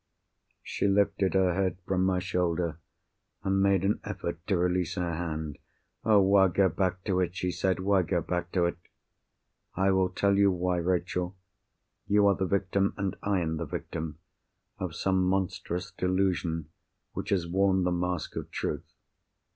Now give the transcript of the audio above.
She lifted her head from my shoulder, and made an effort to release her hand. "Oh, why go back to it!" she said. "Why go back to it!" "I will tell you why, Rachel. You are the victim, and I am the victim, of some monstrous delusion which has worn the mask of truth.